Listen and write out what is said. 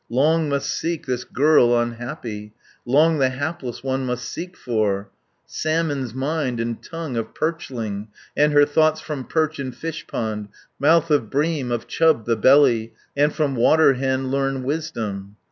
"Long must seek, this girl unhappy, Long the hapless one must seek for, 330 Salmon's mind, and tongue of perchling, And her thoughts from perch in fishpond, Mouth of bream, of chub the belly, And from water hen learn wisdom.